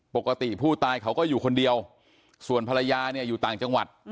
ปกติผู้ตายเขาก็อยู่คนเดียวส่วนภรรยาเนี่ยอยู่ต่างจังหวัด